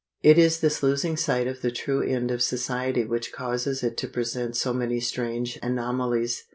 It is this losing sight of the true end of society which causes it to present so many strange anomalies.